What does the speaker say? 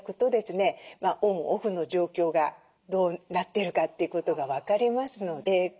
オン・オフの状況がどうなっているかということが分かりますので。